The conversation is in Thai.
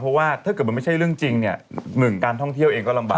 เพราะว่าถ้าเกิดมันไม่ใช่เรื่องจริงเนี่ยหนึ่งการท่องเที่ยวเองก็ลำบาก